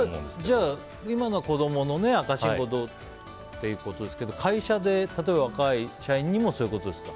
じゃあ今の子供の赤信号どうっていうことですけど会社で、例えば若い社員にもそういうことですか。